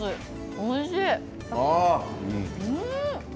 おいしい。